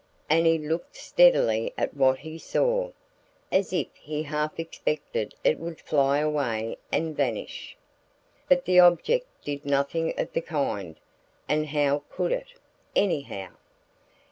And he looked steadily at what he saw, as if he half expected it would fly away and vanish. But the object did nothing of the kind. And how could it, anyhow?